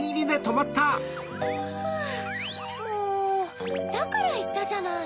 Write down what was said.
もうだからいったじゃない！